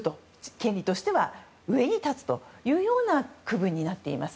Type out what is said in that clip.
権利としては上に立つという区分になっています。